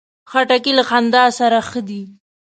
خټکی له خندا سره ښه ده.